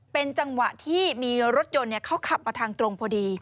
เป็นจังหวะที่มีรถยนต์เขาขับมาทางตรงพอดี